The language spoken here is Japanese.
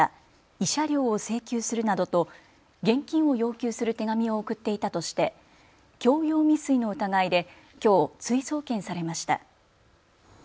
慰謝料を請求するなどと現金を要求する手紙を送っていたとして強要未遂の疑いできょう追送検されました。